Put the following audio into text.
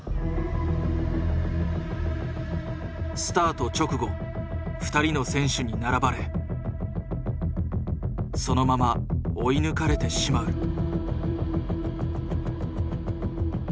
スタート直後２人の選手に並ばれそのまま追い抜かれてしまう。